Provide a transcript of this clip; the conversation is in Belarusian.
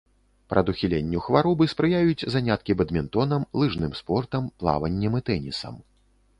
Прадухіленню хваробы спрыяюць заняткі бадмінтонам, лыжным спортам, плаваннем і тэнісам.